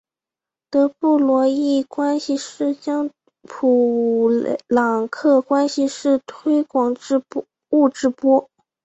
德布罗意关系式将普朗克关系式推广至物质波。